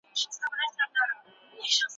آیا ښاري خلک له کلیوالو سره توپیر لري؟